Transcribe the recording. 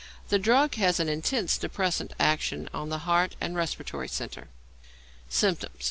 The drug has an intense depressant action on the heart and respiratory centre. _Symptoms.